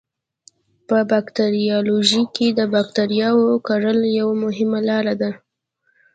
په باکتریالوژي کې د بکټریاوو کرل یوه مهمه لاره ده.